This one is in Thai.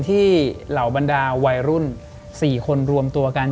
เหล่าบรรดาวัยรุ่น๔คนรวมตัวกัน